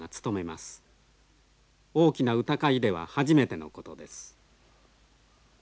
大きな歌会では初めてのことです。